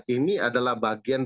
ini adalah bagian perwujudannya